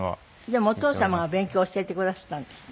でもお父様が勉強を教えてくだすったんですって？